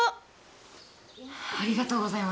ありがとうございます。